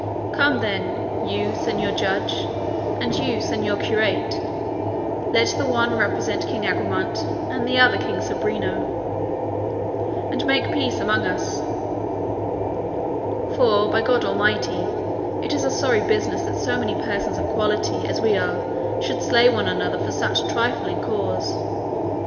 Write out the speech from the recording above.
Come then, you, Señor Judge, and you, señor curate; let the one represent King Agramante and the other King Sobrino, and make peace among us; for by God Almighty it is a sorry business that so many persons of quality as we are should slay one another for such trifling cause."